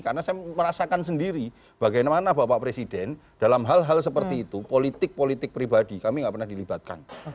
karena saya merasakan sendiri bagaimana bapak presiden dalam hal hal seperti itu politik politik pribadi kami enggak pernah dilibatkan